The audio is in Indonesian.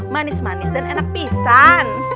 manis manis dan enak pisang